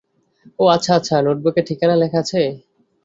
ও, আচ্ছা আচ্ছা, নোটবুকে ঠিকানা লেখা আছে।